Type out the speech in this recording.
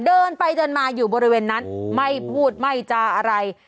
เดินไปเดินมาอยู่บริเวณนั้นไม่พูดไม่จาอะไร